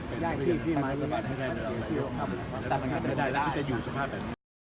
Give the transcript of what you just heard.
โปรดตามตอนต่อไป